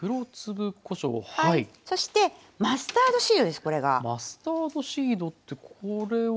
マスタードシードってこれは？